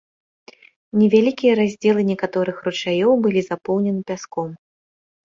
Невялікія раздзелы некаторых ручаёў былі запоўнены пяском.